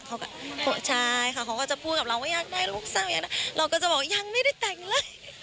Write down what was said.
เขาก็ใช่ค่ะเขาก็จะพูดกับเราว่าอยากได้ลูกสาวอย่างนั้นเราก็จะบอกยังไม่ได้แต่งเลย